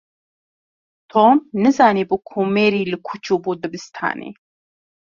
Tom nizanibû ku Mary li ku çûbû dibistanê.